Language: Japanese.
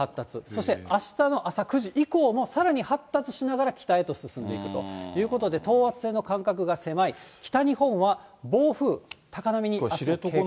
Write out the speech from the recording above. そして、あしたの朝９時以降も、さらに発達しながら北へと進んでいくということで、等圧線の間隔が狭い、北日本は暴風、高波にあす、警戒。